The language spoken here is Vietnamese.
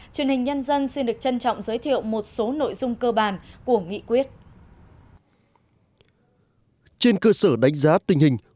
truyền hình nhân dân xin được trân trọng giới thiệu một số nội dung cơ bản của nghị quyết